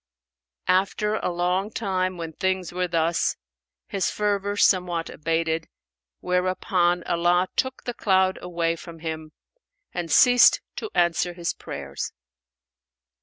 After a long time when things were thus, his fervour somewhat abated, whereupon Allah took the cloud away from him and ceased to answer his prayers.